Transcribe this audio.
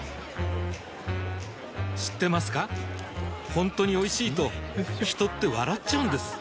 ほんとにおいしいと人って笑っちゃうんです